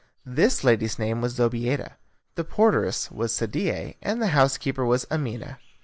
This lady's name was Zobeida, the porteress was Sadie, and the housekeeper was Amina.